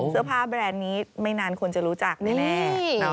เสื้อผ้าแบรนด์นี้ไม่นานคนจะรู้จักแน่